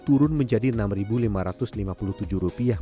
turun menjadi rp enam lima ratus lima puluh tujuh